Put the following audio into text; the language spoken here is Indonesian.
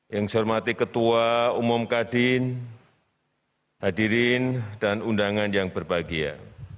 yang saya hormati ketua umum kadin hadirin dan undangan yang berbahagia